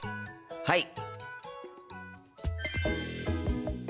はい！